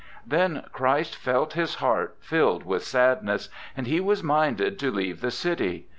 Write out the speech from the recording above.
'Then Christ felt His heart filled with sadness, and He was minded to leave the city.